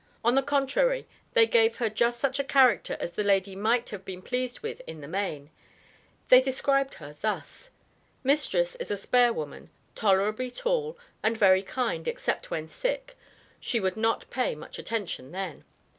On the contrary they gave her just such a character as the lady might have been pleased with in the main. They described her thus: "Mistress was a spare woman, tolerably tall, and very kind, except when sick, she would not pay much attention then.